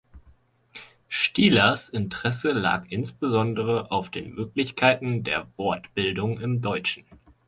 Stielers Interesse lag insbesondere auf den Möglichkeiten der Wortbildung im Deutschen.